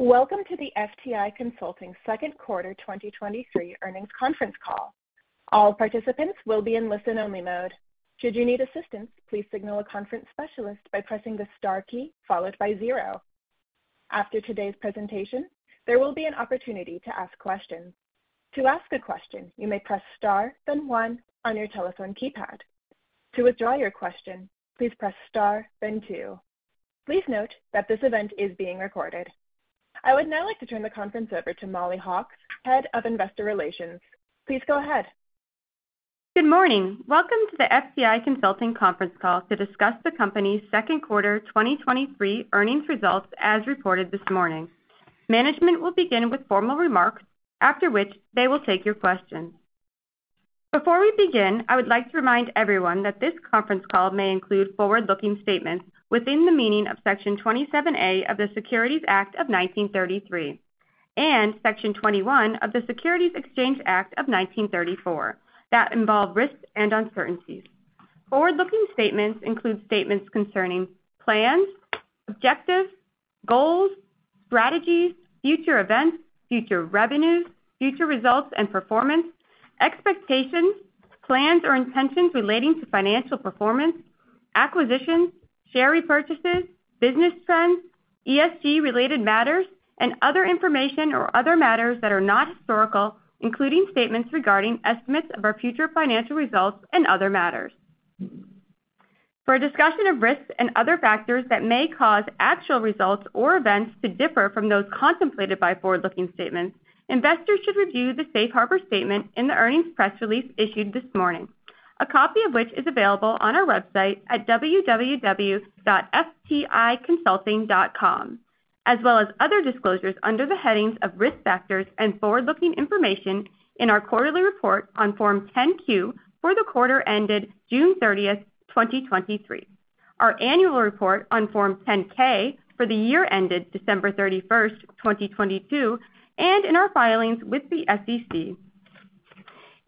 Welcome to the FTI Consulting second quarter 2023 earnings conference call. All participants will be in listen-only mode. Should you need assistance, please signal a conference specialist by pressing the star key followed by 0. After today's presentation, there will be an opportunity to ask questions. To ask a question, you may press star, then 1 on your telephone keypad. To withdraw your question, please press star, then 2. Please note that this event is being recorded. I would now like to turn the conference over to Mollie Hawkes, Head of Investor Relations. Please go ahead. Good morning. Welcome to the FTI Consulting conference call to discuss the company's second quarter 2023 earnings results as reported this morning. Management will begin with formal remarks, after which they will take your questions. Before we begin, I would like to remind everyone that this conference call may include forward-looking statements within the meaning of Section 27A of the Securities Act of 1933, and Section 21 of the Securities Exchange Act of 1934, that involve risks and uncertainties. Forward-looking statements include statements concerning plans, objectives, goals, strategies, future events, future revenues, future results and performance, expectations, plans, or intentions relating to financial performance, acquisitions, share repurchases, business trends, ESG-related matters, and other information or other matters that are not historical, including statements regarding estimates of our future financial results and other matters. For a discussion of risks and other factors that may cause actual results or events to differ from those contemplated by forward-looking statements, investors should review the safe harbor statement in the earnings press release issued this morning, a copy of which is available on our website at www.fticonsulting.com, as well as other disclosures under the headings of Risk Factors and Forward-Looking Information in our quarterly report on Form 10-Q for the quarter ended June 30, 2023, our annual report on Form 10-K for the year ended December 31, 2022, and in our filings with the SEC.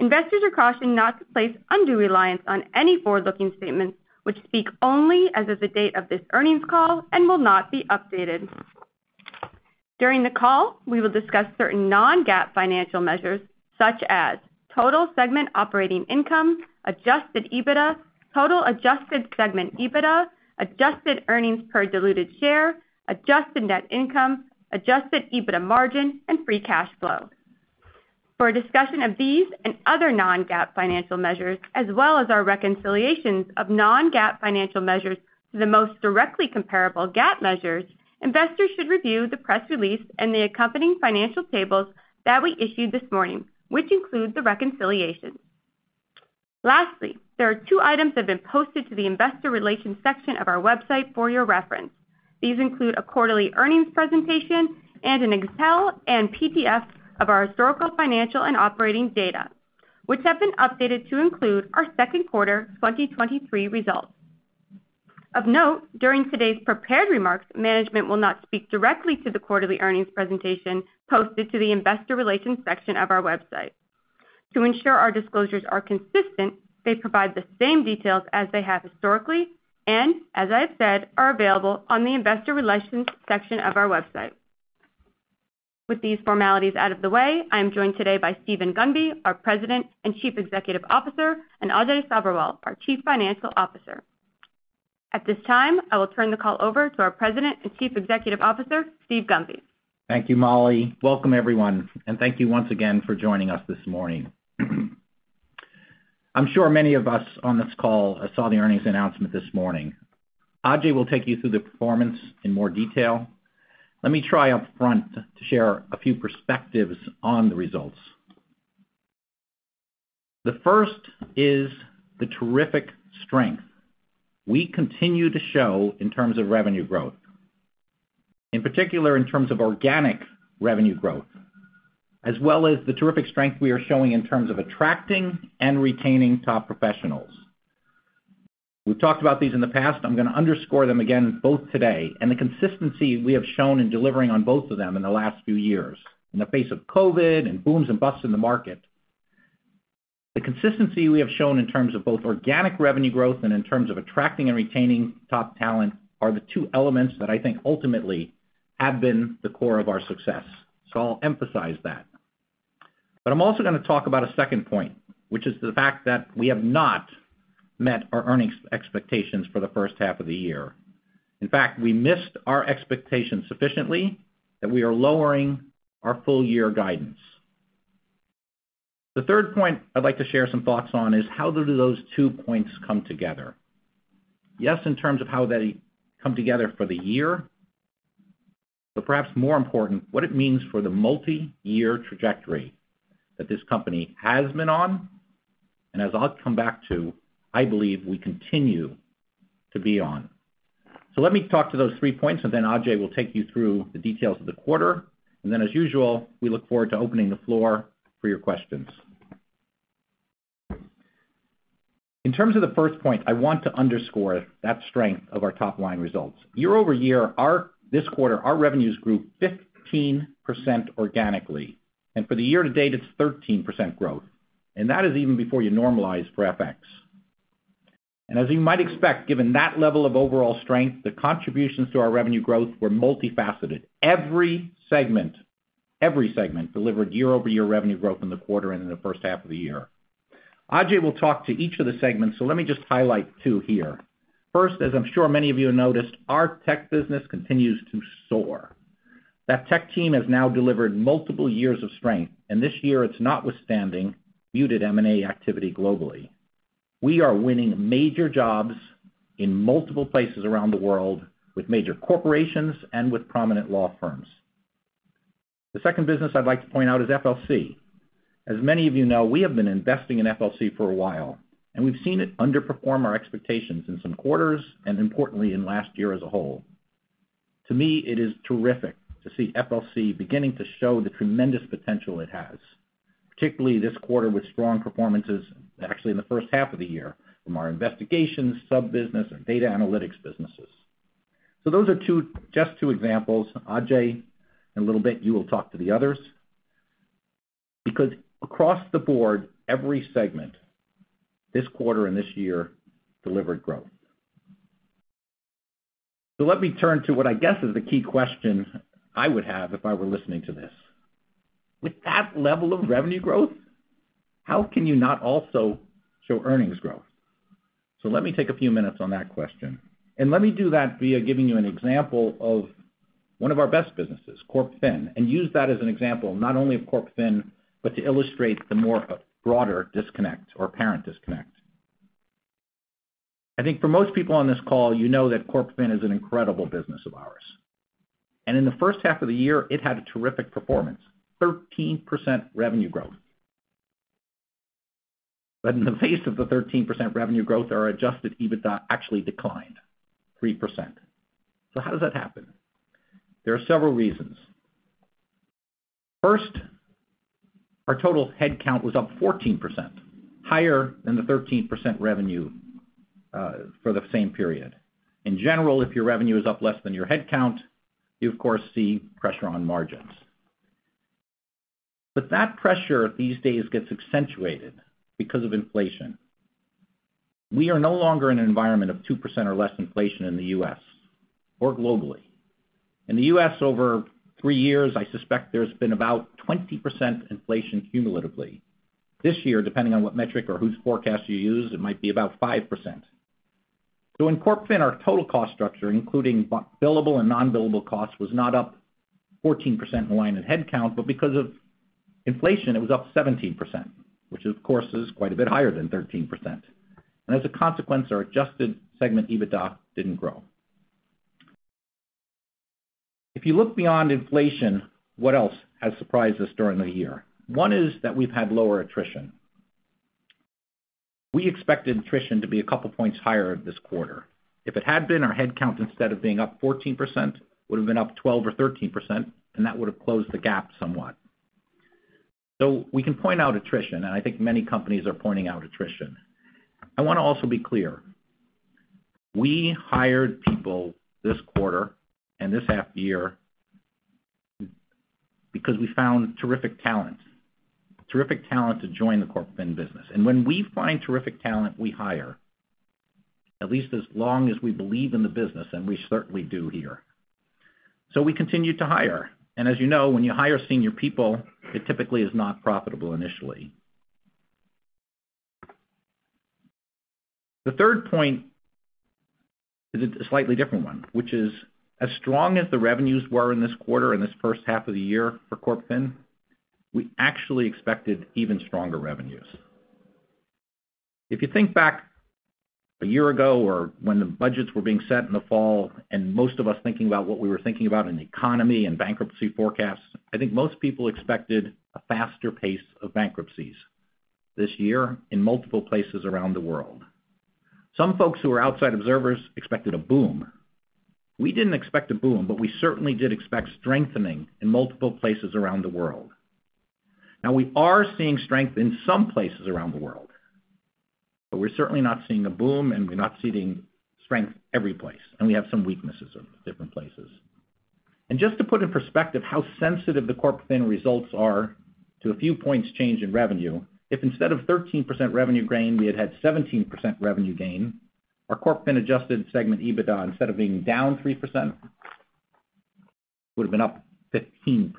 Investors are cautioned not to place undue reliance on any forward-looking statements, which speak only as of the date of this earnings call and will not be updated. During the call, we will discuss certain non-GAAP financial measures such as total segment operating income, adjusted EBITDA, total adjusted segment EBITDA, adjusted earnings per diluted share, adjusted net income, adjusted EBITDA margin, and free cash flow. For a discussion of these and other non-GAAP financial measures, as well as our reconciliations of non-GAAP financial measures to the most directly comparable GAAP measures, investors should review the press release and the accompanying financial tables that we issued this morning, which include the reconciliation. Lastly, there are two items that have been posted to the investor relations section of our website for your reference. These include a quarterly earnings presentation and an Excel and PDF of our historical, financial, and operating data, which have been updated to include our second quarter 2023 results. Of note, during today's prepared remarks, management will not speak directly to the quarterly earnings presentation posted to the investor relations section of our website. To ensure our disclosures are consistent, they provide the same details as they have historically, and as I've said, are available on the investor relations section of our website. With these formalities out of the way, I am joined today by Steven Gunby, our President and Chief Executive Officer, and Ajay Sabherwal, our Chief Financial Officer. At this time, I will turn the call over to our President and Chief Executive Officer, Steve Gunby. Thank you, Molly. Welcome, everyone, and thank you once again for joining us this morning. I'm sure many of us on this call saw the earnings announcement this morning. Ajay will take you through the performance in more detail. Let me try up front to share a few perspectives on the results. The first is the terrific strength we continue to show in terms of revenue growth, in particular, in terms of organic revenue growth, as well as the terrific strength we are showing in terms of attracting and retaining top professionals. We've talked about these in the past. I'm gonna underscore them again, both today and the consistency we have shown in delivering on both of them in the last few years, in the face of COVID and booms and busts in the market. The consistency we have shown in terms of both organic revenue growth and in terms of attracting and retaining top talent are the two elements that I think ultimately have been the core of our success. I'll emphasize that. I'm also gonna talk about a second point, which is the fact that we have not met our earnings expectations for the first half of the year. In fact, we missed our expectations sufficiently that we are lowering our full-year guidance. The third point I'd like to share some thoughts on is how do those two points come together? Yes, in terms of how they come together for the year, but perhaps more important, what it means for the multiyear trajectory that this company has been on, and as I'll come back to, I believe we continue to be on. Let me talk to those three points, then Ajay will take you through the details of the quarter. Then, as usual, we look forward to opening the floor for your questions. In terms of the first point, I want to underscore that strength of our top-line results. Year-over-year, this quarter, our revenues grew 15% organically, for the year to date, it's 13% growth, that is even before you normalize for FX. As you might expect, given that level of overall strength, the contributions to our revenue growth were multifaceted. Every segment delivered year-over-year revenue growth in the quarter and in the first half of the year. Ajay will talk to each of the segments, let me just highlight two here. First, as I'm sure many of you have noticed, our tech business continues to soar. That tech team has now delivered multiple years of strength, and this year, it's notwithstanding muted M&A activity globally. We are winning major jobs in multiple places around the world, with major corporations and with prominent law firms. The second business I'd like to point out is FLC. As many of you know, we have been investing in FLC for a while, and we've seen it underperform our expectations in some quarters and importantly, in last year as a whole. To me, it is terrific to see FLC beginning to show the tremendous potential it has, particularly this quarter, with strong performances, actually in the first half of the year, from our investigations, sub business, and data analytics businesses. Those are two, just two examples. Ajay, in a little bit, you will talk to the others. Across the board, every segment, this quarter and this year, delivered growth. Let me turn to what I guess is the key question I would have if I were listening to this. With that level of revenue growth, how can you not also show earnings growth? Let me take a few minutes on that question, and let me do that via giving you an example of one of our best businesses, CorpFin, and use that as an example, not only of CorpFin, but to illustrate the more broader disconnect or apparent disconnect. I think for most people on this call, you know that CorpFin is an incredible business of ours, and in the first half of the year, it had a terrific performance, 13% revenue growth. In the face of the 13% revenue growth, our adjusted EBITDA actually declined 3%. How does that happen? There are several reasons. First, our total headcount was up 14%, higher than the 13% revenue for the same period. In general, if your revenue is up less than your headcount, you, of course, see pressure on margins. That pressure these days gets accentuated because of inflation. We are no longer in an environment of 2% or less inflation in the U.S. or globally. In the U.S., over three years, I suspect there's been about 20% inflation cumulatively. This year, depending on what metric or whose forecast you use, it might be about 5%. In CorpFin, our total cost structure, including billable and non-billable costs, was not up 14% in line with headcount, but because of inflation, it was up 17%, which, of course, is quite a bit higher than 13%. As a consequence, our adjusted segment EBITDA didn't grow. If you look beyond inflation, what else has surprised us during the year? One is that we've had lower attrition. We expected attrition to be a couple of points higher this quarter. If it had been, our headcount, instead of being up 14%, would have been up 12% or 13%, and that would have closed the gap somewhat. We can point out attrition, and I think many companies are pointing out attrition. I want to also be clear, we hired people this quarter and this half year because we found terrific talent to join the CorpFin business. When we find terrific talent, we hire, at least as long as we believe in the business, and we certainly do here. We continued to hire, and as you know, when you hire senior people, it typically is not profitable initially. The third point is a slightly different one, which is, as strong as the revenues were in this quarter and this first half of the year for CorpFin, we actually expected even stronger revenues. If you think back a year ago or when the budgets were being set in the fall, most of us thinking about what we were thinking about in the economy and bankruptcy forecasts, I think most people expected a faster pace of bankruptcies this year in multiple places around the world. Some folks who are outside observers expected a boom. We didn't expect a boom, we certainly did expect strengthening in multiple places around the world. Now, we are seeing strength in some places around the world, we're certainly not seeing a boom, we're not seeing strength every place, we have some weaknesses in different places. Just to put in perspective how sensitive the CorpFin results are to a few points change in revenue, if instead of 13% revenue gain, we had had 17% revenue gain, our CorpFin adjusted segment, EBITDA, instead of being down 3%, would have been up 15%.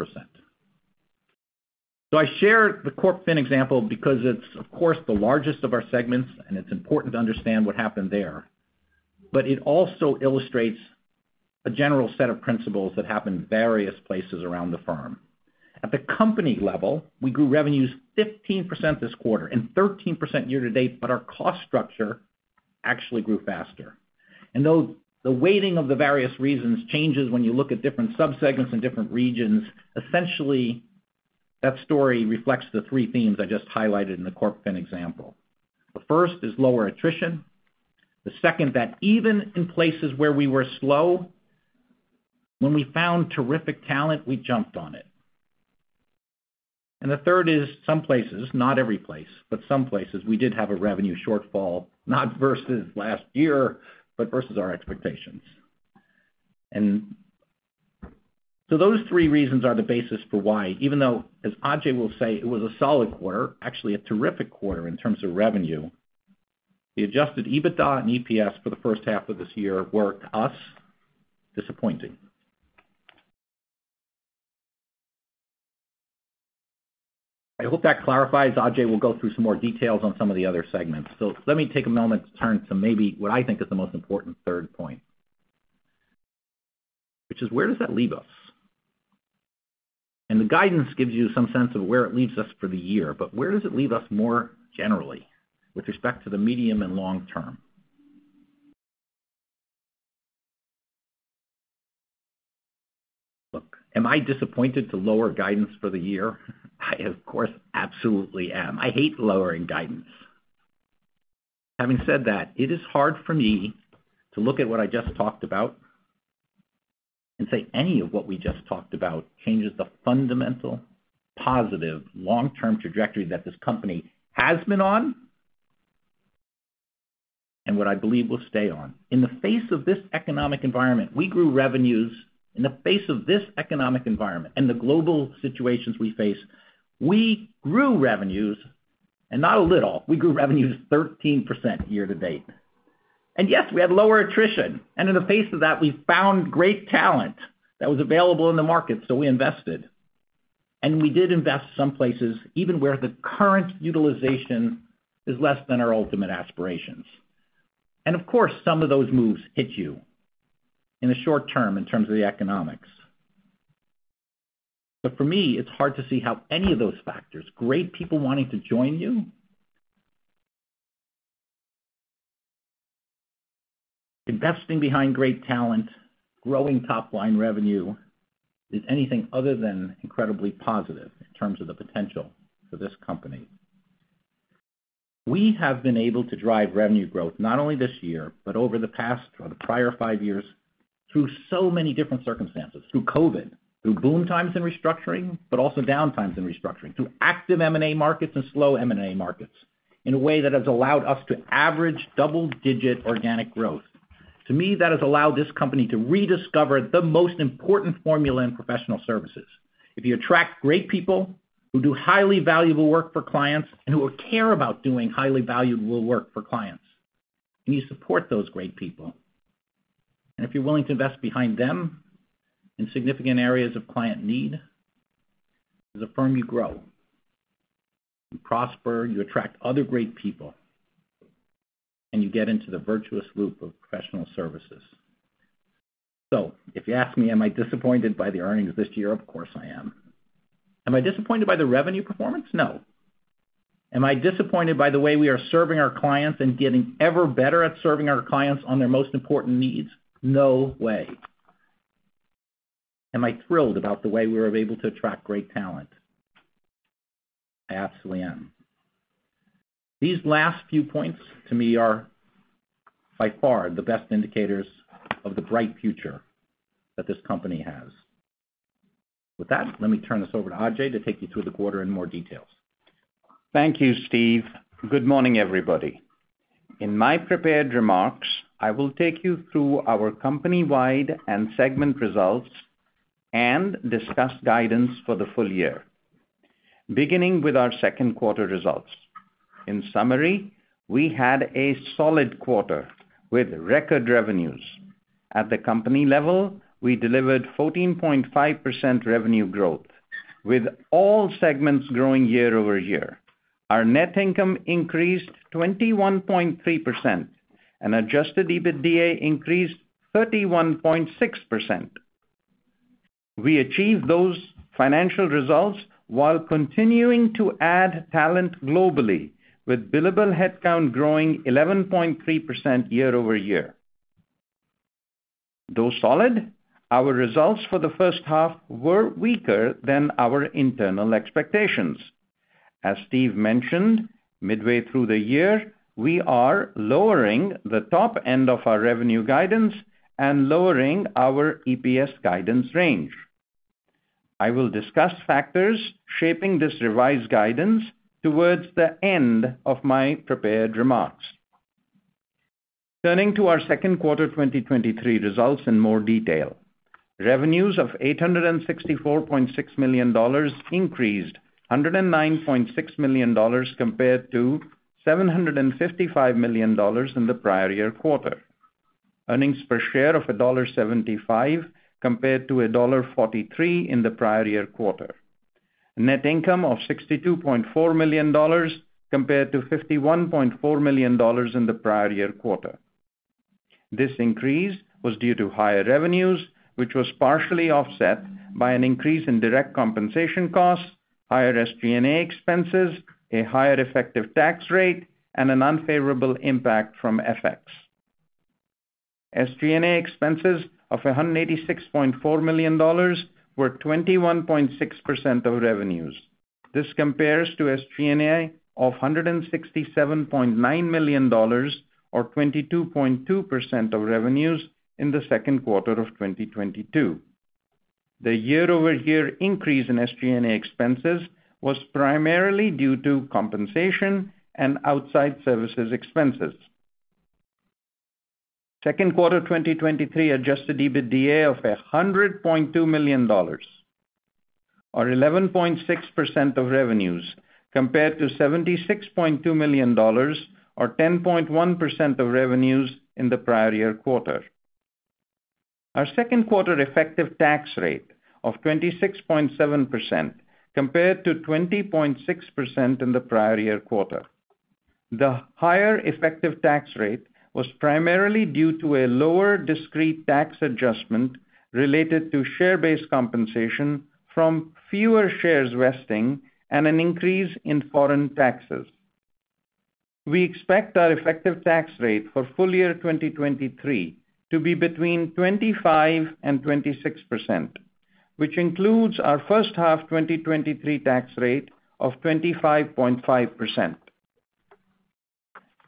I share the CorpFin example because it's, of course, the largest of our segments, and it's important to understand what happened there. It also illustrates a general set of principles that happen in various places around the firm. At the company level, we grew revenues 15% this quarter and 13% year to date, but our cost structure actually grew faster. Though the weighting of the various reasons changes when you look at different subsegments in different regions, essentially, that story reflects the three themes I just highlighted in the CorpFin example. The first is lower attrition. The second, that even in places where we were slow, when we found terrific talent, we jumped on it. The third is some places, not every place, but some places, we did have a revenue shortfall, not versus last year, but versus our expectations. Those three reasons are the basis for why, even though, as Ajay will say, it was a solid quarter, actually a terrific quarter in terms of revenue, the adjusted EBITDA and EPS for the first half of this year were, to us, disappointing. I hope that clarifies. Ajay will go through some more details on some of the other segments. Let me take a moment to turn to maybe what I think is the most important third point, which is: where does that leave us? The guidance gives you some sense of where it leaves us for the year, but where does it leave us more generally with respect to the medium and long term? Look, am I disappointed to lower guidance for the year? I, of course, absolutely am. I hate lowering guidance. Having said that, it is hard for me to look at what I just talked about and say any of what we just talked about changes the fundamental, positive, long-term trajectory that this company has been on, and what I believe will stay on. In the face of this economic environment, we grew revenues. In the face of this economic environment and the global situations we face, we grew revenues, and not a little. We grew revenues 13% year to date. Yes, we had lower attrition, and in the face of that, we found great talent that was available in the market, so we invested. We did invest some places, even where the current utilization is less than our ultimate aspirations. Of course, some of those moves hit you in the short term in terms of the economics. For me, it's hard to see how any of those factors, great people wanting to join you, investing behind great talent, growing top-line revenue, is anything other than incredibly positive in terms of the potential for this company. We have been able to drive revenue growth not only this year, but over the past or the prior five years, through so many different circumstances, through COVID, through boom times in restructuring, but also down times in restructuring, through active M&A markets and slow M&A markets, in a way that has allowed us to average double-digit organic growth. To me, that has allowed this company to rediscover the most important formula in professional services. If you attract great people who do highly valuable work for clients and who will care about doing highly valuable work for clients, and you support those great people, and if you're willing to invest behind them in significant areas of client need, as a firm, you grow, you prosper, you attract other great people, and you get into the virtuous loop of professional services. If you ask me, am I disappointed by the earnings this year? Of course, I am. Am I disappointed by the revenue performance? No. Am I disappointed by the way we are serving our clients and getting ever better at serving our clients on their most important needs? No way. Am I thrilled about the way we were able to attract great talent? I absolutely am. These last few points to me are by far the best indicators of the bright future that this company has. With that, let me turn this over to Ajay to take you through the quarter in more details. Thank you, Steve. Good morning, everybody. In my prepared remarks, I will take you through our company-wide and segment results and discuss guidance for the full year. Beginning with our second quarter results. In summary, we had a solid quarter with record revenues. At the company level, we delivered 14.5% revenue growth, with all segments growing year-over-year. Our net income increased 21.3%, and adjusted EBITDA increased 31.6%. We achieved those financial results while continuing to add talent globally, with billable headcount growing 11.3% year-over-year. Though solid, our results for the first half were weaker than our internal expectations. As Steve mentioned, midway through the year, we are lowering the top end of our revenue guidance and lowering our EPS guidance range. I will discuss factors shaping this revised guidance towards the end of my prepared remarks. Turning to our second quarter 2023 results in more detail. Revenues of $864.6 million increased $109.6 million compared to $755 million in the prior-year quarter. Earnings per share of $1.75 compared to $1.43 in the prior-year quarter. Net income of $62.4 million compared to $51.4 million in the prior-year quarter. This increase was due to higher revenues, which was partially offset by an increase in direct compensation costs, higher SG&A expenses, a higher effective tax rate, and an unfavorable impact from FX. SG&A expenses of $186.4 million were 21.6% of revenues. This compares to SG&A of $167.9 million, or 22.2% of revenues, in the second quarter of 2022. The year-over-year increase in SG&A expenses was primarily due to compensation and outside services expenses. Second quarter 2023 adjusted EBITDA of $100.2 million, or 11.6% of revenues, compared to $76.2 million, or 10.1% of revenues in the prior year quarter. Our second quarter effective tax rate of 26.7% compared to 20.6% in the prior year quarter. The higher effective tax rate was primarily due to a lower discrete tax adjustment related to share-based compensation from fewer shares vesting and an increase in foreign taxes. We expect our effective tax rate for full year 2023 to be between 25%-26%, which includes our first half 2023 tax rate of 25.5%.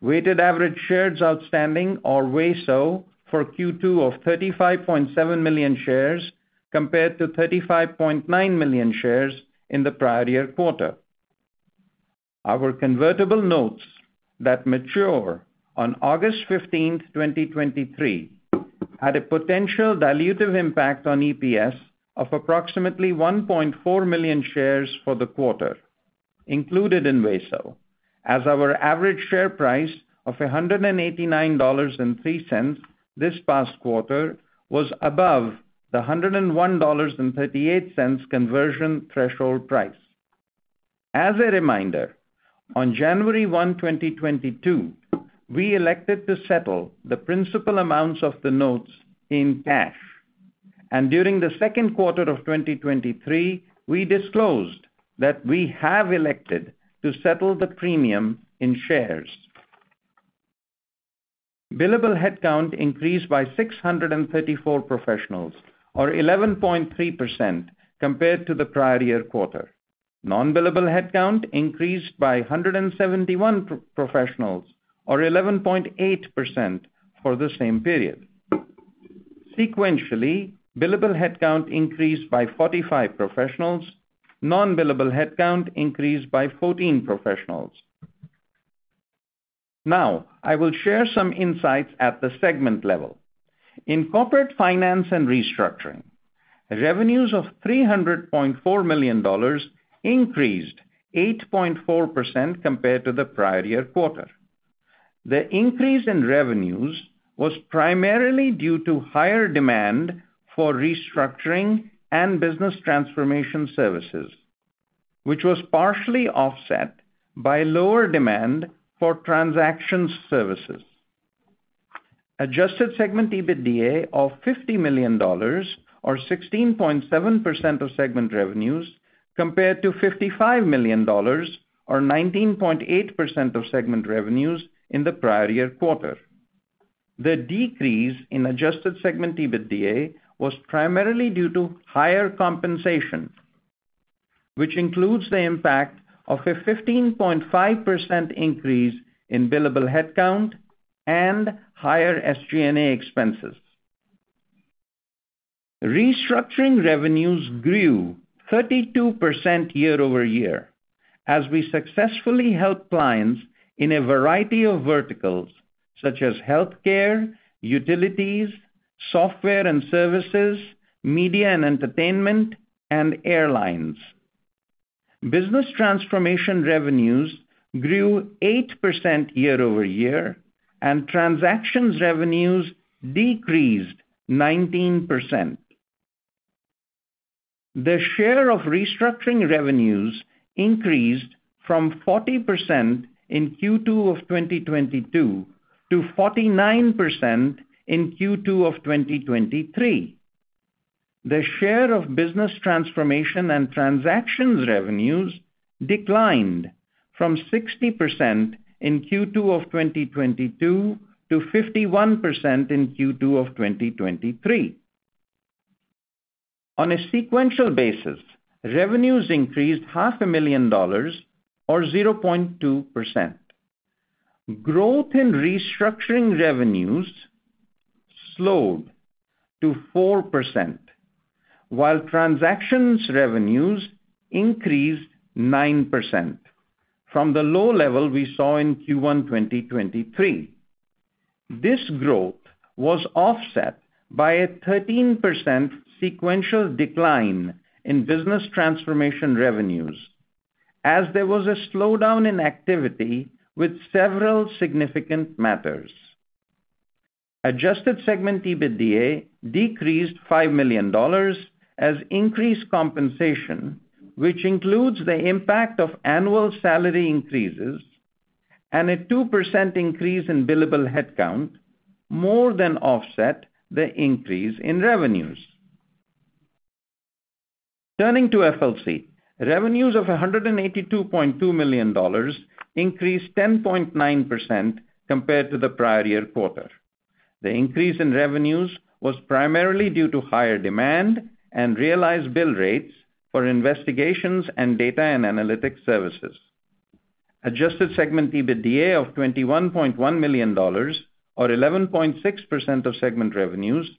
Weighted average shares outstanding or WASO for Q2 of 35.7 million shares compared to 35.9 million shares in the prior year quarter. Our convertible notes that mature on August 15, 2023, had a potential dilutive impact on EPS of approximately 1.4 million shares for the quarter, included in WASO, as our average share price of $189.03 this past quarter was above the $101.38 conversion threshold price. As a reminder, on January 1, 2022, we elected to settle the principal amounts of the notes in cash. During the second quarter of 2023, we disclosed that we have elected to settle the premium in shares. Billable headcount increased by 634 professionals, or 11.3% compared to the prior year-quarter. Non-billable headcount increased by 171 professionals or 11.8% for the same period. Sequentially, billable headcount increased by 45 professionals. Non-billable headcount increased by 14 professionals. I will share some insights at the segment level. In Corporate Finance & Restructuring, revenues of $300.4 million increased 8.4% compared to the prior year-quarter. The increase in revenues was primarily due to higher demand for restructuring and Business Transformation services, which was partially offset by lower demand for transactions services. Adjusted segment EBITDA of $50 million, or 16.7% of segment revenues, compared to $55 million, or 19.8% of segment revenues, in the prior-year quarter. The decrease in adjusted segment EBITDA was primarily due to higher compensation, which includes the impact of a 15.5% increase in billable headcount and higher SG&A expenses. Restructuring revenues grew 32% year-over-year, as we successfully helped clients in a variety of verticals such as healthcare, utilities, software and services, media and entertainment, and airlines. Business Transformation revenues grew 8% year-over-year, and transactions revenues decreased 19%. The share of restructuring revenues increased from 40% in Q2 of 2022 to 49% in Q2 of 2023. The share of Business Transformation and transactions revenues declined from 60% in Q2 of 2022 to 51% in Q2 of 2023. On a sequential basis, revenues increased half a million dollars or 0.2%. Growth in restructuring revenues slowed to 4%, while transactions revenues increased 9% from the low level we saw in Q1, 2023. This growth was offset by a 13% sequential decline in Business Transformation revenues, as there was a slowdown in activity with several significant matters. Adjusted segment EBITDA decreased $5 million as increased compensation, which includes the impact of annual salary increases and a 2% increase in billable headcount, more than offset the increase in revenues. Turning to FLC, revenues of $182.2 million increased 10.9% compared to the prior-year quarter. The increase in revenues was primarily due to higher demand and realized bill rates for investigations and Data & Analytics services. Adjusted segment EBITDA of $21.1 million or 11.6% of segment revenues,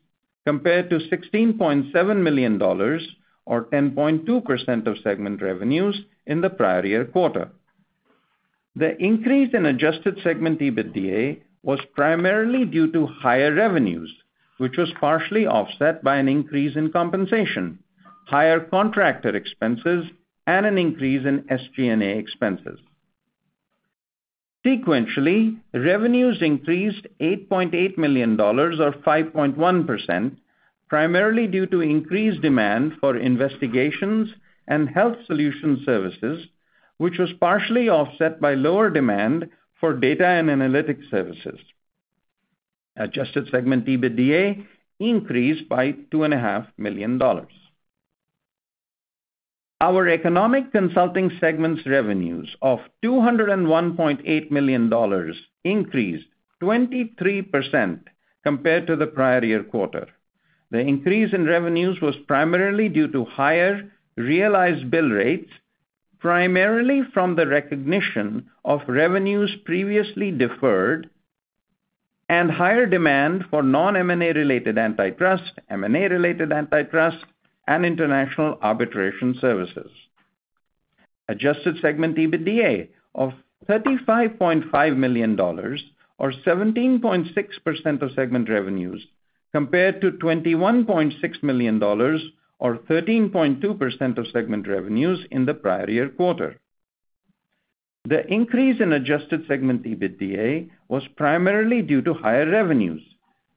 compared to $16.7 million or 10.2% of segment revenues in the prior-year quarter. The increase in adjusted segment EBITDA was primarily due to higher revenues, which was partially offset by an increase in compensation, higher contractor expenses, and an increase in SG&A expenses. Sequentially, revenues increased $8.8 million, or 5.1%, primarily due to increased demand for investigations and Health Solutions services, which was partially offset by lower demand for Data & Analytics services. Adjusted segment EBITDA increased by two and a half million dollars. Our Economic Consulting segment's revenues of $201.8 million increased 23% compared to the prior year quarter. The increase in revenues was primarily due to higher realized bill rates, primarily from the recognition of revenues previously deferred, and higher demand for non-M&A-related antitrust, M&A-related antitrust, and International Arbitration services. Adjusted segment EBITDA of $35.5 million or 17.6% of segment revenues, compared to $21.6 million or 13.2% of segment revenues in the prior year quarter. The increase in adjusted segment EBITDA was primarily due to higher revenues,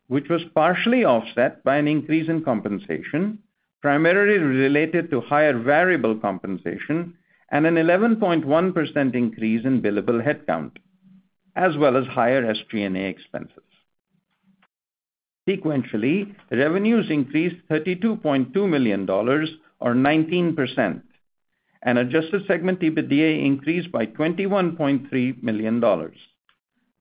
which was partially offset by an increase in compensation, primarily related to higher variable compensation and an 11.1% increase in billable headcount, as well as higher SG&A expenses. Sequentially, revenues increased $32.2 million or 19%, and adjusted segment EBITDA increased by $21.3 million.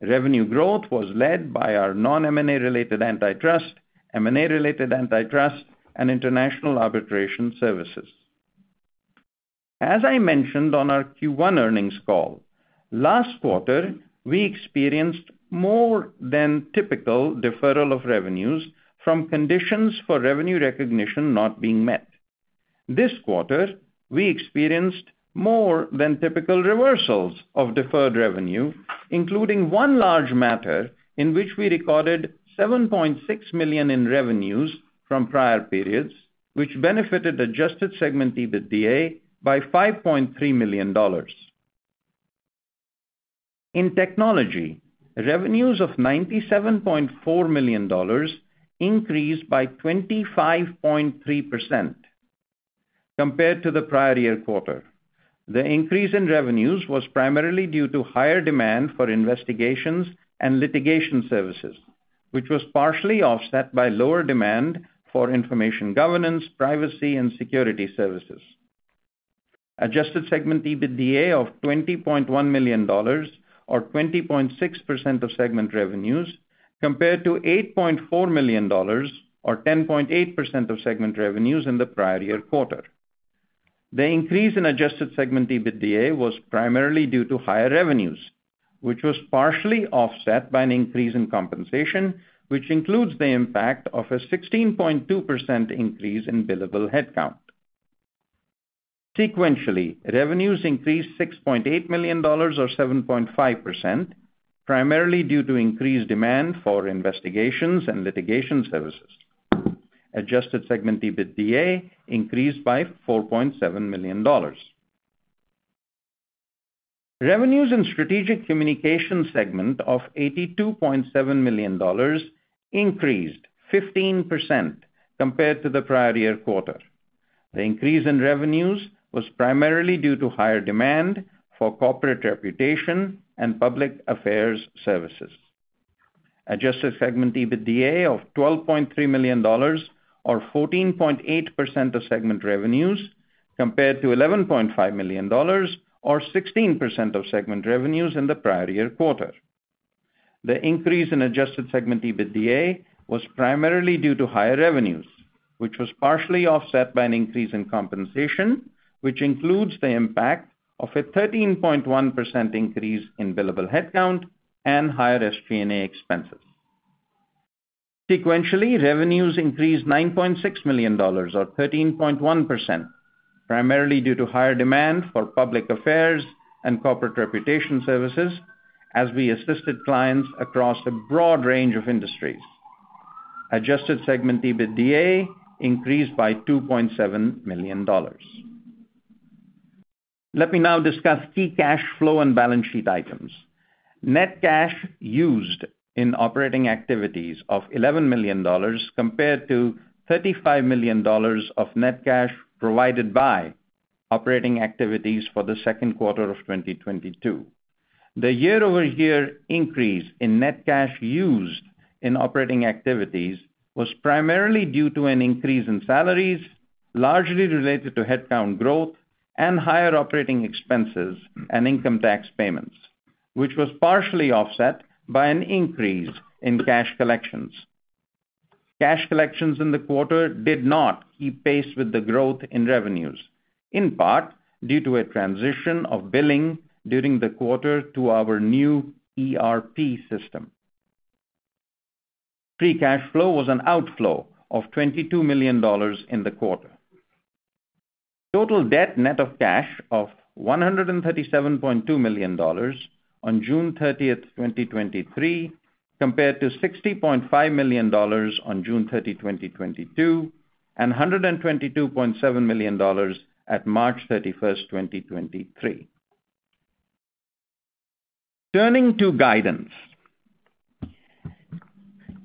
Revenue growth was led by our non-M&A-related antitrust, M&A-related antitrust, and International Arbitration services. As I mentioned on our Q1 earnings call, last quarter, we experienced more than typical deferral of revenues from conditions for revenue recognition not being met. This quarter, we experienced more than typical reversals of deferred revenue, including one large matter in which we recorded $7.6 million in revenues from prior periods, which benefited adjusted segment EBITDA by $5.3 million. In Technology, revenues of $97.4 million increased by 25.3% compared to the prior year quarter. The increase in revenues was primarily due to higher demand for investigations and litigation services, which was partially offset by lower demand for Information Governance, Privacy, and Security services. Adjusted segment EBITDA of $20.1 million or 20.6% of segment revenues, compared to $8.4 million or 10.8% of segment revenues in the prior year quarter. The increase in adjusted segment EBITDA was primarily due to higher revenues, which was partially offset by an increase in compensation, which includes the impact of a 16.2% increase in billable headcount. Sequentially, revenues increased $6.8 million or 7.5%, primarily due to increased demand for investigations and litigation services. Adjusted segment EBITDA increased by $4.7 million. Revenues in Strategic Communications segment of $82.7 million increased 15% compared to the prior year quarter. The increase in revenues was primarily due to higher demand for Corporate Reputation and Public Affairs services. Adjusted segment EBITDA of $12.3 million or 14.8% of segment revenues, compared to $11.5 million or 16% of segment revenues in the prior year quarter. The increase in adjusted segment EBITDA was primarily due to higher revenues, which was partially offset by an increase in compensation, which includes the impact of a 13.1% increase in billable headcount and higher SG&A expenses. Sequentially, revenues increased $9.6 million or 13.1%, primarily due to higher demand for Public Affairs and Corporate Reputation services as we assisted clients across a broad range of industries. Adjusted segment EBITDA increased by $2.7 million. Let me now discuss key cash flow and balance sheet items. Net cash used in operating activities of $11 million compared to $35 million of net cash provided by operating activities for the second quarter of 2022. The year-over-year increase in net cash used in operating activities was primarily due to an increase in salaries, largely related to headcount growth and higher operating expenses and income tax payments, which was partially offset by an increase in cash collections. Cash collections in the quarter did not keep pace with the growth in revenues, in part, due to a transition of billing during the quarter to our new ERP system. Free cash flow was an outflow of $22 million in the quarter. Total debt net of cash of $137.2 million on June 13, 2023, compared to $60.5 million on June 30, 2022, and $122.7 million at March 31, 2023. Turning to guidance.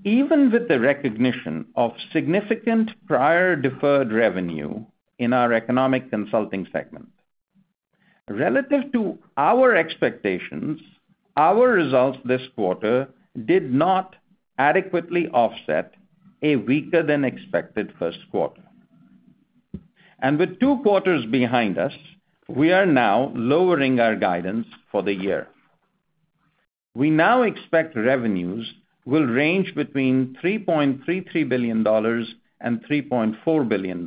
Even with the recognition of significant prior deferred revenue in our Economic Consulting segment, relative to our expectations, our results this quarter did not adequately offset a weaker-than-expected first quarter. With 2 quarters behind us, we are now lowering our guidance for the year. We now expect revenues will range between $3.33 billion and $3.4 billion,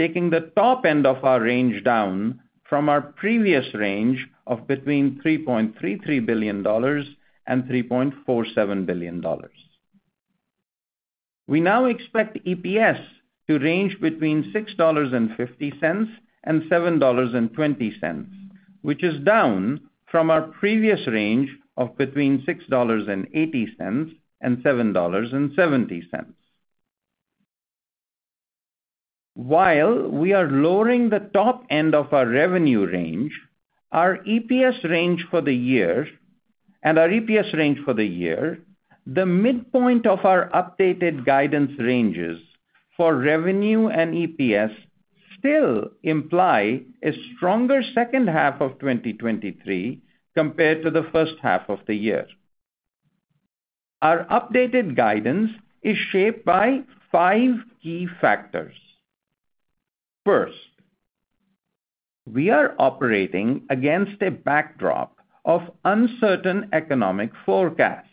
taking the top end of our range down from our previous range of between $3.33 billion and $3.47 billion. We now expect EPS to range between $6.50 and $7.20, which is down from our previous range of between $6.80 and $7.70. While we are lowering the top end of our revenue range, our EPS range for the year, the midpoint of our updated guidance ranges for revenue and EPS still imply a stronger second half of 2023 compared to the first half of the year. Our updated guidance is shaped by five key factors. First, we are operating against a backdrop of uncertain economic forecasts.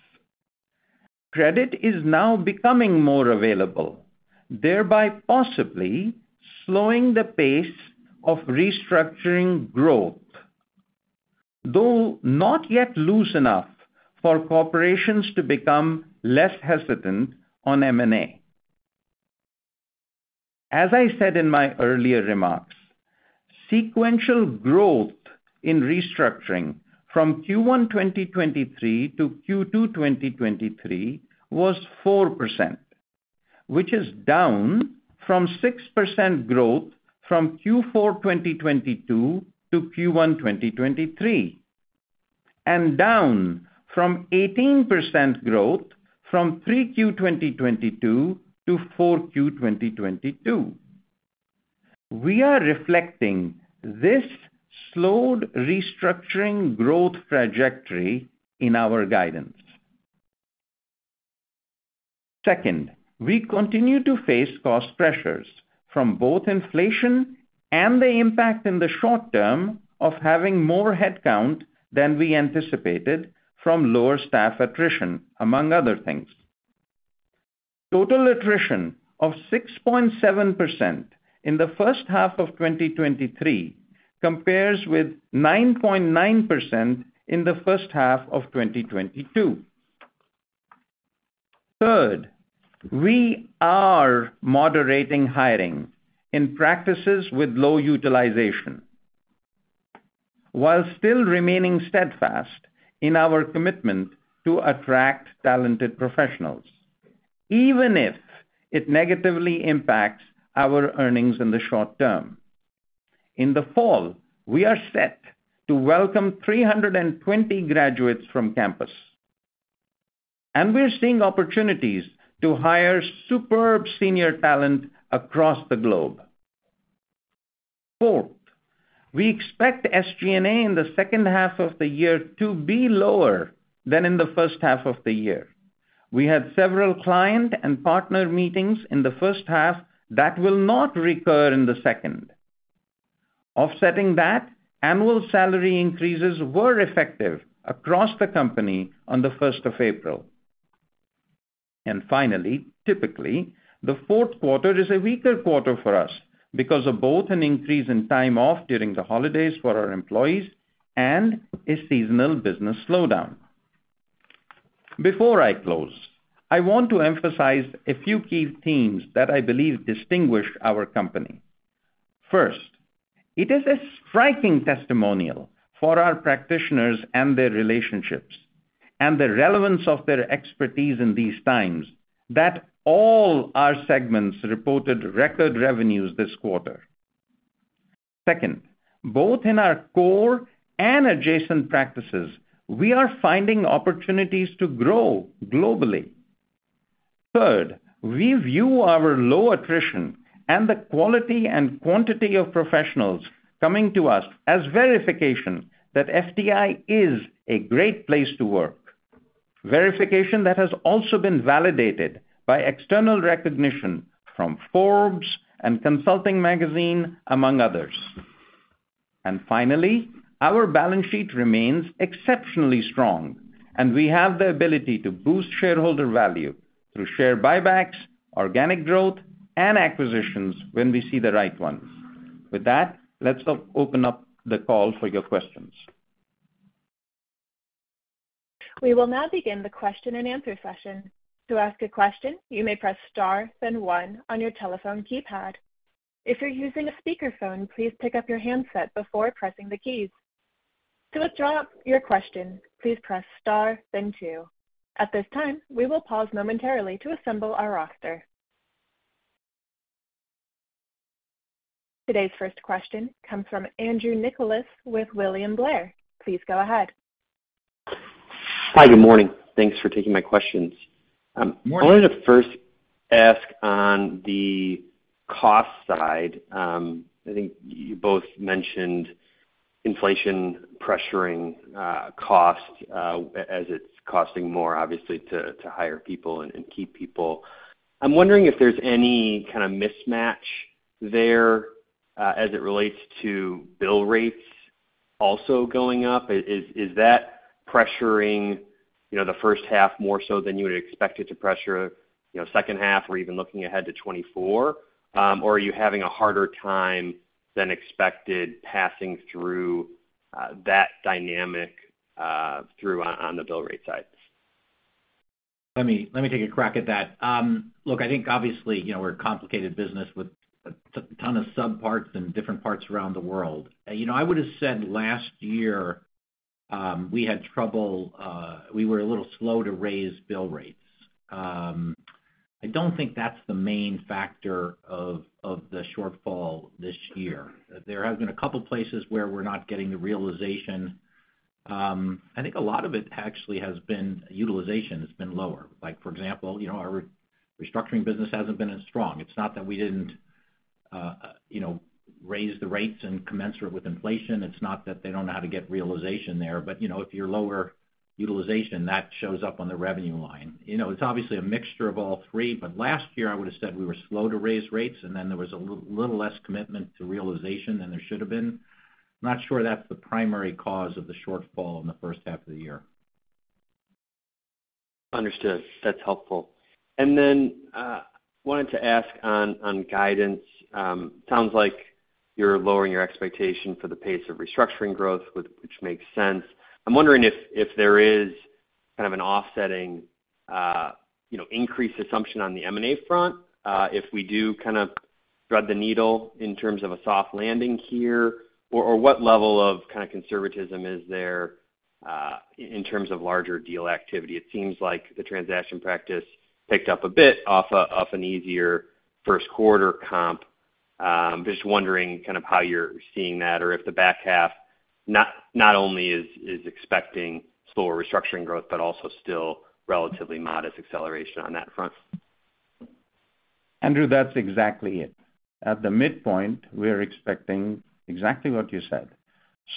Credit is now becoming more available, thereby possibly slowing the pace of restructuring growth, though not yet loose enough for corporations to become less hesitant on M&A. As I said in my earlier remarks, sequential growth in restructuring from Q1 2023 to Q2 2023 was 4%, which is down from 6% growth from Q4 2022 to Q1 2023, and down from 18% growth from 3Q 2022 to 4Q 2022. We are reflecting this slowed restructuring growth trajectory in our guidance. Second, we continue to face cost pressures from both inflation and the impact in the short term of having more headcount than we anticipated from lower staff attrition, among other things. Total attrition of 6.7% in the first half of 2023 compares with 9.9% in the first half of 2022. Third, we are moderating hiring in practices with low utilization, while still remaining steadfast in our commitment to attract talented professionals, even if it negatively impacts our earnings in the short term. In the fall, we are set to welcome 320 graduates from campus, and we're seeing opportunities to hire superb senior talent across the globe. Fourth, we expect SG&A in the second half of the year to be lower than in the first half of the year. We had several client and partner meetings in the first half that will not recur in the second. Offsetting that, annual salary increases were effective across the company on the first of April. Finally, typically, the fourth quarter is a weaker quarter for us because of both an increase in time off during the holidays for our employees and a seasonal business slowdown. Before I close, I want to emphasize a few key themes that I believe distinguish our company. First, it is a striking testimonial for our practitioners and their relationships, and the relevance of their expertise in these times that all our segments reported record revenues this quarter. Second, both in our core and adjacent practices, we are finding opportunities to grow globally. Third, we view our low attrition and the quality and quantity of professionals coming to us as verification that FTI is a great place to work. Verification that has also been validated by external recognition from Forbes and Consulting Magazine, among others. Finally, our balance sheet remains exceptionally strong, and we have the ability to boost shareholder value through share buybacks, organic growth, and acquisitions when we see the right ones. With that, let's open up the call for your questions. We will now begin the question-and-answer session. To ask a question, you may press star, then 1 on your telephone keypad. If you're using a speakerphone, please pick up your handset before pressing the keys. To withdraw your question, please press star, then 2. At this time, we will pause momentarily to assemble our roster. Today's first question comes from Andrew Nicholas with William Blair. Please go ahead. Hi, good morning. Thanks for taking my questions. Morning. I wanted to first ask on the cost side. I think you both mentioned inflation pressuring cost as it's costing more, obviously, to hire people and keep people. I'm wondering if there's any kind of mismatch there as it relates to bill rates also going up. Is that pressuring the first half more so than you would expect it to pressure second half or even looking ahead to 2024? Or are you having a harder time than expected passing through that dynamic through on the bill rate side? Let me take a crack at that. Look, I think obviously, you know, we're a complicated business with a ton of subparts and different parts around the world. You know, I would've said last year, we had trouble. We were a little slow to raise bill rates. I don't think that's the main factor of the shortfall this year. There have been a couple places where we're not getting the realization. I think a lot of it actually has been utilization has been lower. Like, for example, you know, our restructuring business hasn't been as strong. It's not that we didn't, you know, raise the rates in commensurate with inflation. It's not that they don't know how to get realization there, but, you know, if you're lower utilization, that shows up on the revenue line. You know, it's obviously a mixture of all three, but last year, I would've said we were slow to raise rates, and then there was a little less commitment to realization than there should have been. I'm not sure that's the primary cause of the shortfall in the first half of the year. Understood. That's helpful. wanted to ask on guidance. Sounds like you're lowering your expectation for the pace of restructuring growth, which makes sense. I'm wondering if there is kind of an offsetting, you know, increased assumption on the M&A front, if we do kind of thread the needle in terms of a soft landing here, or what level of kind of conservatism is there in terms of larger deal activity? It seems like the transaction practice picked up a bit off an easier first quarter comp. just wondering kind of how you're seeing that, or if the back half not only is expecting slower restructuring growth, but also still relatively modest acceleration on that front. Andrew, that's exactly it. At the midpoint, we're expecting exactly what you said,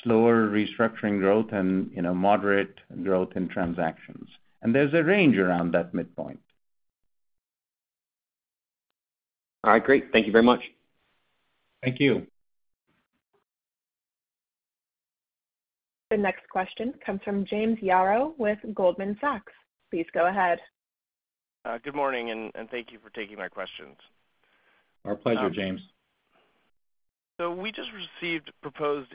slower restructuring growth and, you know, moderate growth in transactions. There's a range around that midpoint. All right, great. Thank You very much. Thank you. The next question comes from James Yaro with Goldman Sachs. Please go ahead. Good morning, and thank you for taking my questions. Our pleasure, James. We just received proposed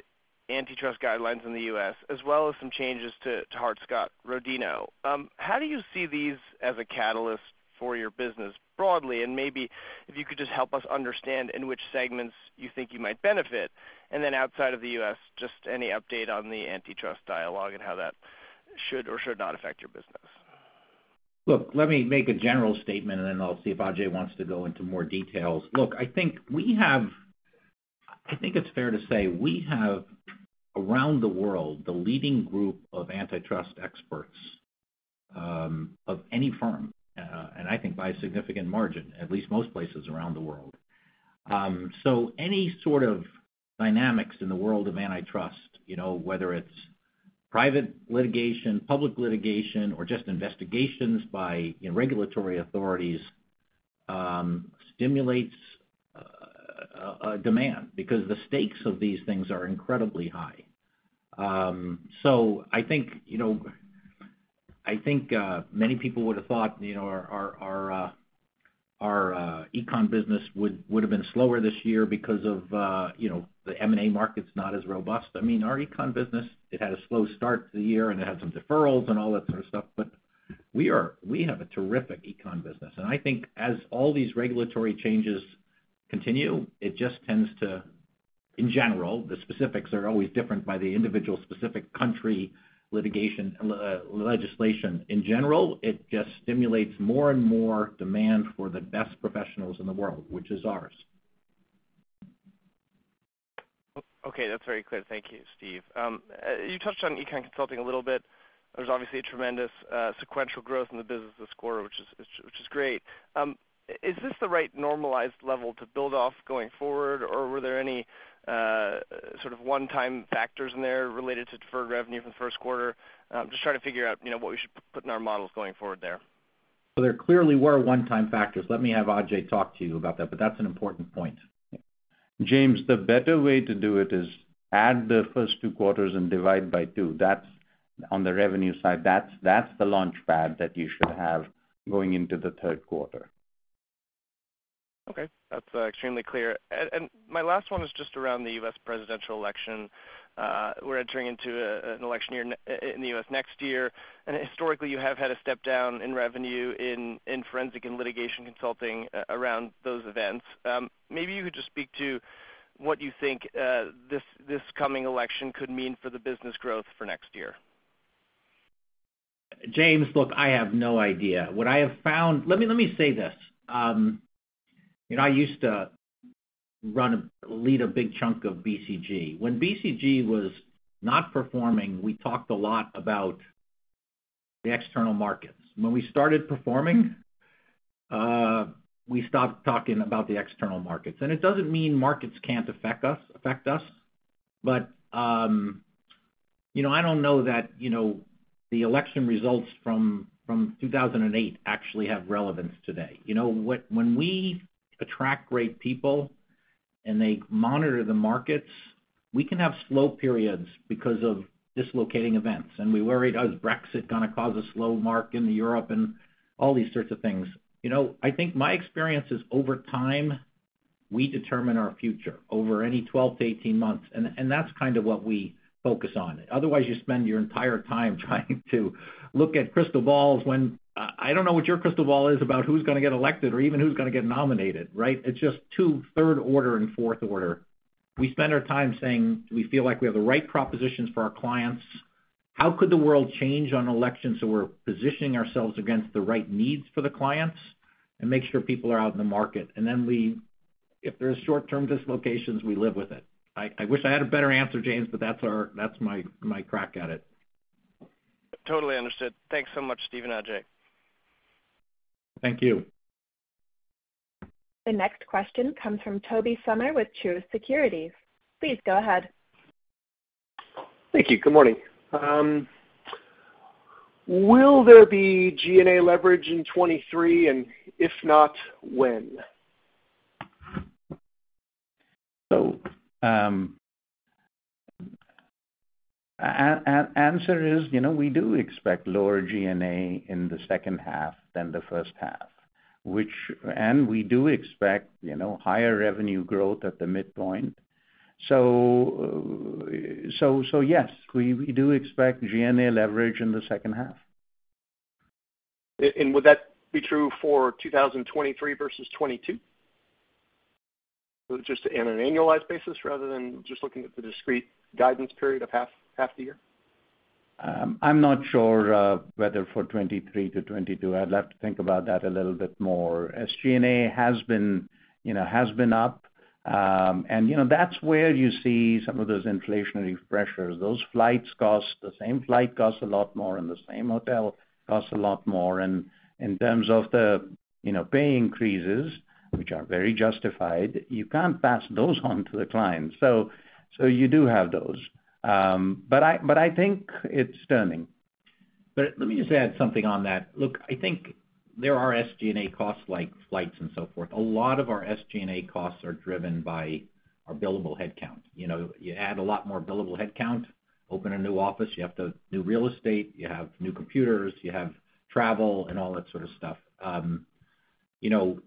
antitrust guidelines in the U.S., as well as some changes to Hart-Scott-Rodino. How do you see these as a catalyst for your business broadly? Maybe if you could just help us understand in which segments you think you might benefit. Outside of the U.S., just any update on the antitrust dialogue and how that should or should not affect your business. Look, let me make a general statement, and then I'll see if Ajay wants to go into more details. Look, I think it's fair to say we have, around the world, the leading group of antitrust experts of any firm, and I think by a significant margin, at least most places around the world. Any sort of dynamics in the world of antitrust, you know, whether it's private litigation, public litigation, or just investigations by, you know, regulatory authorities, stimulates demand, because the stakes of these things are incredibly high. I think, you know, I think many people would have thought, you know, our econ business would have been slower this year because of, you know, the M&A market's not as robust. I mean, our econ business, it had a slow start to the year, and it had some deferrals and all that sort of stuff, but we have a terrific econ business. I think as all these regulatory changes continue, it just tends to, in general, the specifics are always different by the individual specific country litigation, legislation. In general, it just stimulates more and more demand for the best professionals in the world, which is ours. Okay, that's very clear. Thank you, Steve. You touched on econ consulting a little bit. There's obviously a tremendous sequential growth in the business this quarter, which is great. Is this the right normalized level to build off going forward, or were there any sort of one-time factors in there related to deferred revenue for the first quarter? Just trying to figure out, you know, what we should put in our models going forward there. There clearly were one-time factors. Let me have Ajay talk to you about that, but that's an important point. James, the better way to do it is add the first two quarters and divide by two. That's, on the revenue side, that's the launch pad that you should have going into the third quarter. Okay, that's extremely clear. My last one is just around the U.S. presidential election. We're entering into an election year in the U.S. next year, and historically, you have had a step down in revenue in Forensic and Litigation Consulting around those events. Maybe you could just speak to what you think this coming election could mean for the business growth for next year. James, look, I have no idea. What I have found, let me say this. You know, I used to lead a big chunk of BCG. When BCG was not performing, we talked a lot about the external markets. When we started performing, we stopped talking about the external markets. It doesn't mean markets can't affect us, but, you know, I don't know that, you know, the election results from 2008 actually have relevance today. You know, when we attract great people, and they monitor the markets, we can have slow periods because of dislocating events, and we worry, does Brexit gonna cause a slow mark in Europe and all these sorts of things? You know, I think my experience is over time, we determine our future over any 12-18 months. That's kind of what we focus on. Otherwise, you spend your entire time trying to look at crystal balls when, I, I don't know what your crystal ball is about who's gonna get elected or even who's gonna get nominated, right? It's just too third order and fourth order. We spend our time saying, we feel like we have the right propositions for our clients. How could the world change on elections, so we're positioning ourselves against the right needs for the clients and make sure people are out in the market? If there's short-term dislocations, we live with it. I wish I had a better answer, James, but that's our. That's my crack at it. Totally understood. Thanks so much, Steve and Ajay. Thank you. The next question comes from Tobey Sommer with Truist Securities. Please go ahead. Thank you. Good morning. Will there be G&A leverage in 23, if not, when? Answer is, you know, we do expect lower G&A in the second half than the first half, and we do expect, you know, higher revenue growth at the midpoint. Yes, we do expect G&A leverage in the second half. Would that be true for 2023 versus 2022? Just on an annualized basis, rather than just looking at the discrete guidance period of half the year. I'm not sure whether for 23 to 22. I'd like to think about that a little bit more. SG&A has been, you know, has been up, and, you know, that's where you see some of those inflationary pressures. Those flights cost, the same flight costs a lot more, and the same hotel costs a lot more. In terms of the, you know, pay increases, which are very justified, you can't pass those on to the clients. You do have those. I think it's turning. Let me just add something on that. Look, I think there are SG&A costs like flights and so forth. A lot of our SG&A costs are driven by our billable headcount. You know, you add a lot more billable headcount, open a new office, you have to do real estate, you have new computers, you have travel and all that sort of stuff. You know,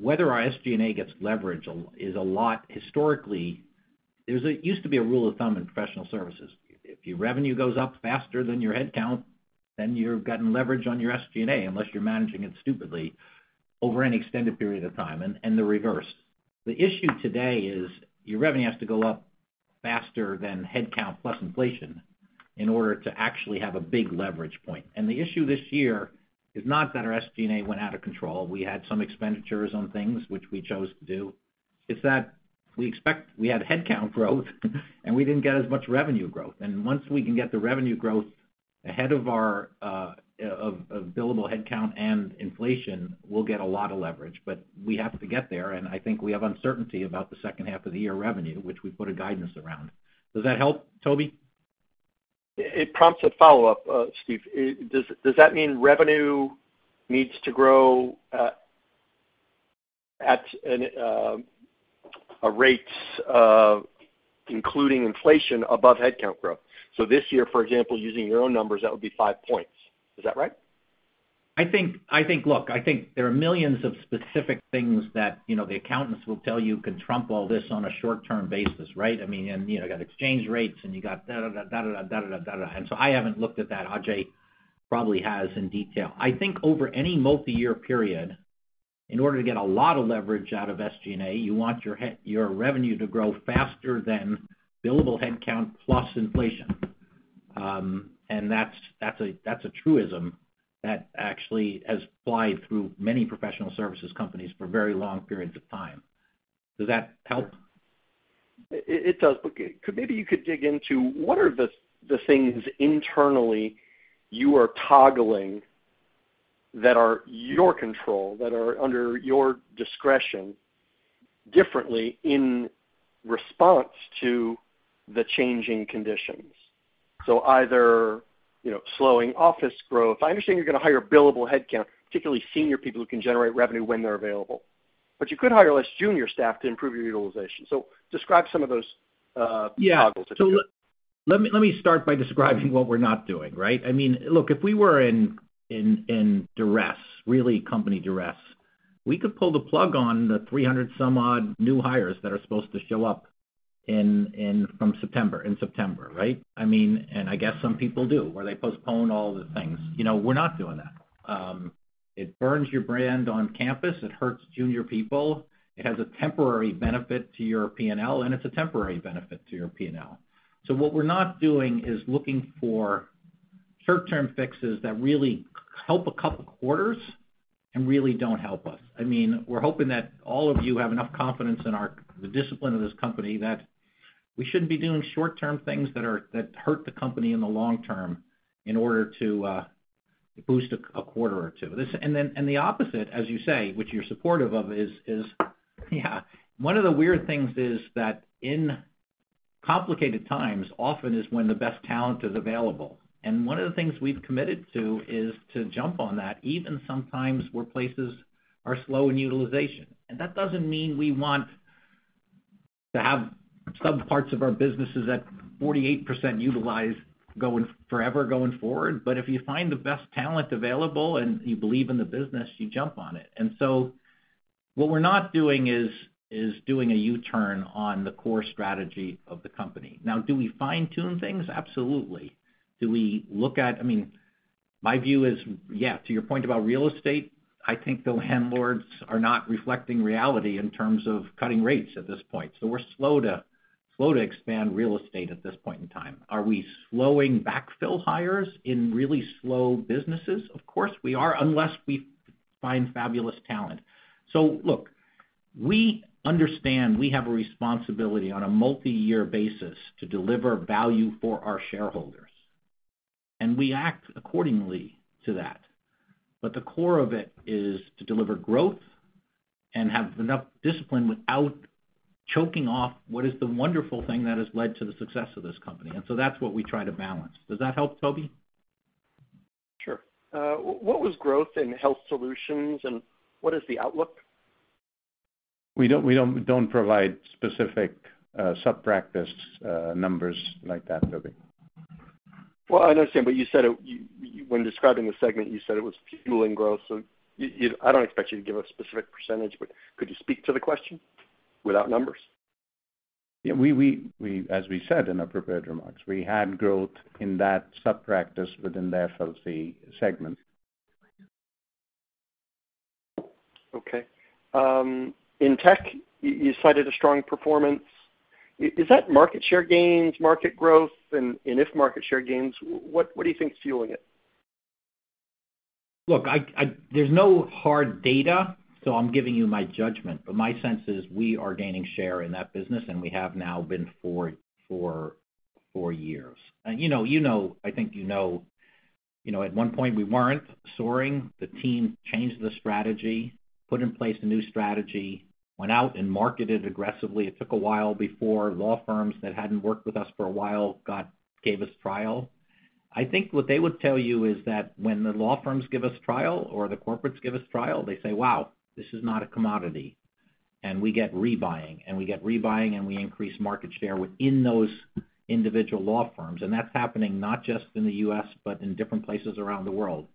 whether our SG&A gets leveraged is a lot historically, it used to be a rule of thumb in professional services. If your revenue goes up faster than your headcount, then you've gotten leverage on your SG&A, unless you're managing it stupidly over an extended period of time, and the reverse. The issue today is your revenue has to go up faster than headcount plus inflation in order to actually have a big leverage point. The issue this year is not that our SG&A went out of control. We had some expenditures on things which we chose to do. It's that we expect we had headcount growth, and we didn't get as much revenue growth. Once we can get the revenue growth ahead of our of billable headcount and inflation, we'll get a lot of leverage, but we have to get there, and I think we have uncertainty about the second half of the year revenue, which we put a guidance around. Does that help, Toby? It prompts a follow-up, Steve. Does that mean revenue needs to grow at an a rate including inflation above headcount growth? This year, for example, using your own numbers, that would be 5 points. Is that right? I think, look, I think there are millions of specific things that, you know, the accountants will tell you can trump all this on a short-term basis, right? I mean, and, you know, you got exchange rates, and you got da, da, da, da, da, da, da, da, da. So I haven't looked at that. Ajay Sabherwal probably has in detail. I think over any multi-year period, in order to get a lot of leverage out of SG&A, you want your revenue to grow faster than billable headcount plus inflation. That's, that's a, that's a truism that actually has applied through many professional services companies for very long periods of time. Does that help? It does. Maybe you could dig into, what are the things internally you are toggling that are your control, that are under your discretion differently in response to the changing conditions? Either, you know, slowing office growth. I understand you're gonna hire billable headcount, particularly senior people who can generate revenue when they're available, but you could hire less junior staff to improve your utilization. Describe some of those toggles, if you would. ...Let me start by describing what we're not doing, right? I mean, look, if we were in duress, really company duress, we could pull the plug on the 300 some odd new hires that are supposed to show up from September, in September, right? I mean, and I guess some people do, where they postpone all the things. You know, we're not doing that. It burns your brand on campus, it hurts junior people. It has a temporary benefit to your P&L, and it's a temporary benefit to your P&L. What we're not doing is looking for short-term fixes that really help a couple quarters and really don't help us. I mean, we're hoping that all of you have enough confidence in the discipline of this company, that we shouldn't be doing short-term things that hurt the company in the long term in order to boost a quarter or two. The opposite, as you say, which you're supportive of, is. One of the weird things is that in complicated times, often is when the best talent is available. One of the things we've committed to, is to jump on that, even sometimes where places are slow in utilization. That doesn't mean we want to have some parts of our businesses at 48% utilized, going forever, going forward. If you find the best talent available and you believe in the business, you jump on it. What we're not doing is, is doing a U-turn on the core strategy of the company. Now, do we fine-tune things? Absolutely. Do we look at. I mean, my view is, yeah, to your point about real estate, I think the landlords are not reflecting reality in terms of cutting rates at this point. We're slow to expand real estate at this point in time. Are we slowing backfill hires in really slow businesses? Of course, we are, unless we find fabulous talent. Look, we understand we have a responsibility on a multi-year basis to deliver value for our shareholders, and we act accordingly to that. The core of it is to deliver growth and have enough discipline without choking off what is the wonderful thing that has led to the success of this company. That's what we try to balance. Does that help, Tobey? Sure. What was growth in Health Solutions, and what is the outlook? We don't provide specific, sub-practice, numbers like that, Tobey. Well, I understand, but you said it, when describing the segment, you said it was fueling growth, so you I don't expect you to give a specific percentage, but could you speak to the question without numbers? Yeah, we as we said in our prepared remarks, we had growth in that sub-practice within the FLC segment. Okay. in tech, you cited a strong performance. Is that market share gains, market growth? If market share gains, what do you think is fueling it? Look, I, there's no hard data, so I'm giving you my judgment. My sense is we are gaining share in that business, and we have now been for four years. You know, you know, I think you know, you know, at one point we weren't soaring. The team changed the strategy, put in place a new strategy, went out and marketed aggressively. It took a while before law firms that hadn't worked with us for a while gave us trial. I think what they would tell you is that when the law firms give us trial or the corporates give us trial, they say, "Wow, this is not a commodity." We get rebuying, and we increase market share within those individual law firms, and that's happening not just in the U.S., but in different places around the world.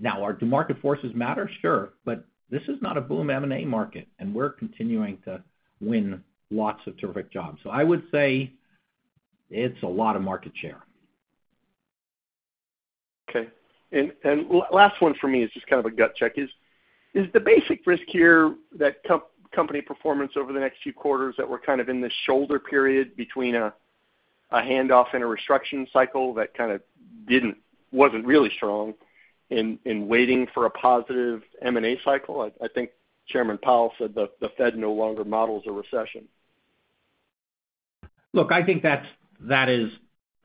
Now, do market forces matter? Sure. This is not a boom M&A market, and we're continuing to win lots of terrific jobs. I would say it's a lot of market share. Okay. Last one for me is just kind of a gut check. Is the basic risk here that company performance over the next few quarters, that we're kind of in this shoulder period between a handoff and a restriction cycle that kind of wasn't really strong in waiting for a positive M&A cycle? I think Chairman Powell said the Federal Reserve no longer models a recession. Look, I think that's, that is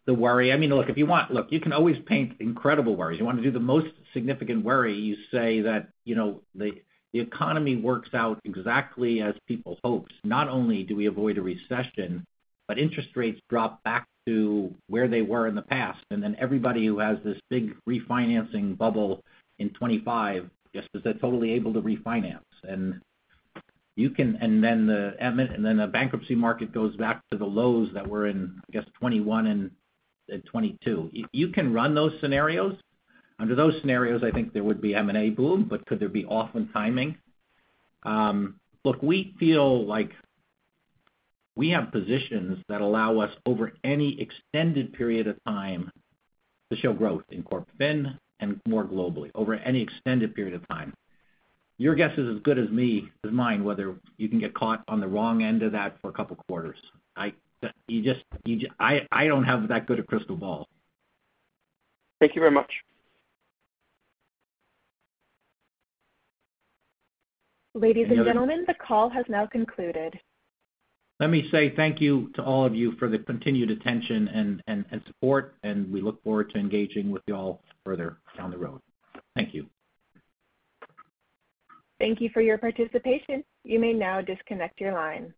the worry. I mean, look, if you want. Look, you can always paint incredible worries. You want to do the most significant worry, you say that, you know, the, the economy works out exactly as people hoped. Not only do we avoid a recession, but interest rates drop back to where they were in the past, and then everybody who has this big refinancing bubble in 2025, just is totally able to refinance. Then the bankruptcy market goes back to the lows that were in, I guess, 2021 and 2022. You can run those scenarios. Under those scenarios, I think there would be M&A boom, but could there be off on timing? Look, we feel like we have positions that allow us over any extended period of time to show growth in Corp Fin and more globally, over any extended period of time. Your guess is as good as mine, whether you can get caught on the wrong end of that for a couple of quarters. I, you just, I don't have that good a crystal ball. Thank you very much. Ladies and gentlemen, the call has now concluded. Let me say thank you to all of you for the continued attention and support. We look forward to engaging with you all further down the road. Thank you. Thank you for your participation. You may now disconnect your line.